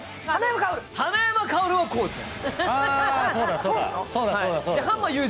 花山薫はこうですね。